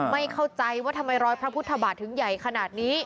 ไม่เข้าใจว่าทำไมรอยพระพุทธบาทถึงใหญ่ขนาดนี้